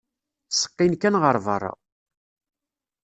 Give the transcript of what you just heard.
Ttseqqin kan ɣer berra.